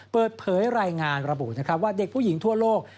เปิดเผยรายงานระบุนะครับว่าเด็กผู้หญิงทั่วโลก